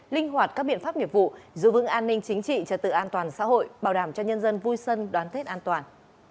linh hoạt các biện pháp nghiệp vụ giữ vững an ninh chính trị trật tự an toàn xã hội bảo đảm cho nhân dân vui xuân đón tết an toàn